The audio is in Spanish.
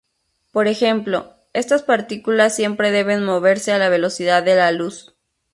Por ejemplo, estas partículas siempre deben moverse a la velocidad de la luz.